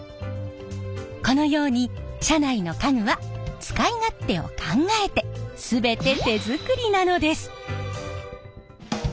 このように車内の家具は使い勝手を考えて全て手作りなのです！